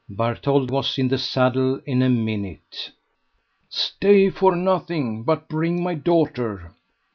Bartholde was in the saddle in a minute. "Stay for nothing, but bring my daughter.